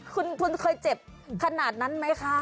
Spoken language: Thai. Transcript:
คุณเคยเจ็บขนาดนั้นไหมคะ